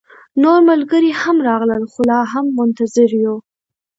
نور ملګري هم راغلل، خو لا هم منتظر يو